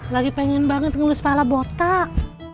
lagi pengen banget ngelulus pala botak